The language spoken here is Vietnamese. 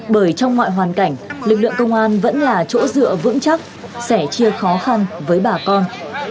bởi trong mọi hoàn cảnh lực lượng công an vẫn là chỗ dựa vững chắc sẻ chia khó khăn với bà con